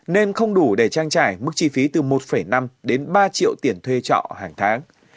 nên không đủ để trang trải mức chi phí từ một năm đến ba triệu tiền thuê trọ hàng tháng